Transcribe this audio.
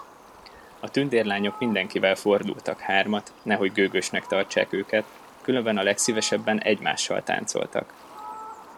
A tündérlányok mindenkivel fordultak hármat, nehogy gőgösnek tartsák őket; különben a legszívesebben egymással táncoltak.